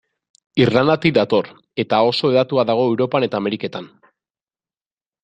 Irlandatik dator, eta oso hedatua dago Europan eta Ameriketan.